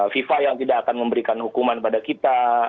fifa yang tidak akan memberikan hukuman pada kita